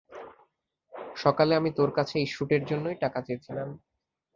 সকালে আমি তোর কাছে এই শ্যুটের জন্যই টাকা চেয়েছিলাম।